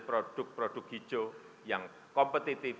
produk produk hijau yang kompetitif